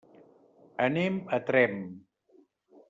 Anem a Tremp.